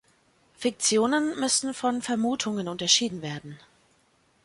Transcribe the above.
Fiktionen müssen von Vermutungen unterschieden werden.